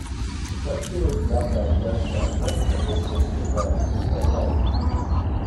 Freshfields Bruckhaus Deringer represented in 't Veld in her case.